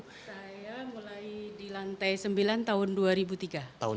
saya mulai di lantai sembilan tahun dua ribu tiga